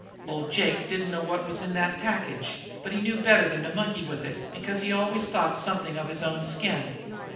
Old Jake didn't know what was in that package; but he knew better than to monkey with it, because he always thought something of his own skin.